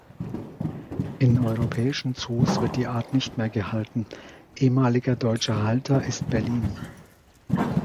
In europäischen Zoos wird die Art nicht mehr gehalten, ehemaliger deutscher Halter ist Berlin.